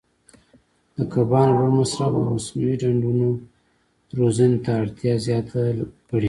د کبانو لوړ مصرف د مصنوعي ډنډونو روزنې ته اړتیا زیاته کړې.